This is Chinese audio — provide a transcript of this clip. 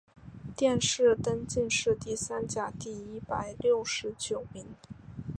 殿试登进士第三甲第一百六十九名。